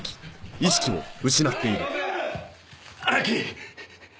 荒木！